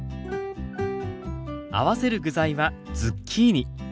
合わせる具材はズッキーニ。